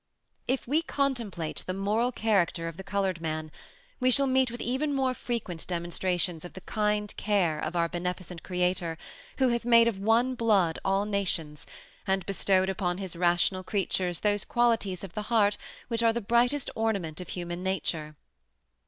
If we contemplate the moral character of the colored man we shall meet with even more frequent demonstrations of the kind care of our beneficent Creator who hath made of one blood all nations, and bestowed upon his rational creatures those qualities of the heart which are the brightest ornament of human nature.